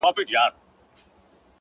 اوس مي د زړه پر تكه سپينه پاڼه،